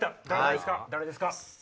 誰ですか？